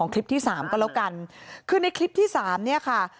ของคลิปที่๓ก็แล้วกันคือในคลิปที่๓เนี่ยค่ะ